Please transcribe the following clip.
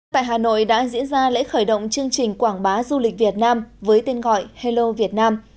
tại hà nội đã diễn ra lễ khởi động chương trình quảng bá du lịch việt nam với tên gọi hello việt nam